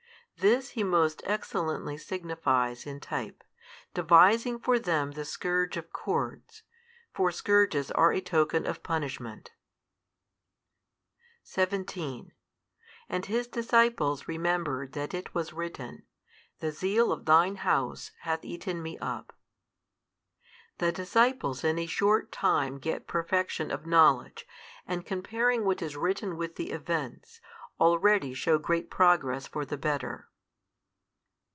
This He most excellently signifies in type, devising for them the scourge of cords. For scourges are a token of punishment. 17 And His disciples remembered that it was written, The zeal of Thine House hath eaten Me up. The disciples in a short time get perfection of knowledge, and comparing what is written with the events, already shew great progress for the better.